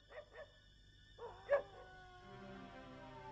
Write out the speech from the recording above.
saya sudah pergi